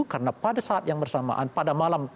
karena pada saat yang bersamaan pada malam